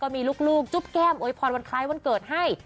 มีลูกจุ๊บแก้มอย่าพอร์ตวันใครวันเกิดให้